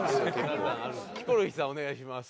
ヒコロヒーさんお願いします。